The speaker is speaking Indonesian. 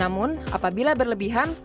namun apabila berlebihan